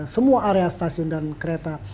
semua area stasiun dan kereta